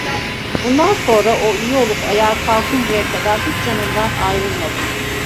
Bundan sonra, o iyi olup ayağa kalkıncaya kadar, hiç yanından ayrılmadım.